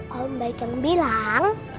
kau baik yang bilang